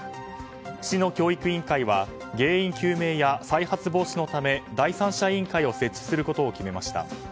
市の教育委員会は原因究明や再発防止のため第三者委員会を設置することを決めました。